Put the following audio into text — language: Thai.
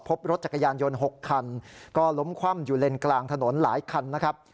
พบรถจักรยานยนต์๖คันก็ล้มคว่ำอยู่เลนกลางถนนหลายคันนะครับ